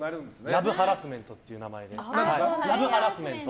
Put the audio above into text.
ラブハラスメントという名前で。